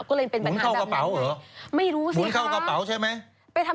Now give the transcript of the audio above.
ก็เลยเป็นปัญหาแบบนั้นหมุนเข้ากระเป๋าหรือไม่รู้สิครับหมุนเข้ากระเป๋าใช่ไหม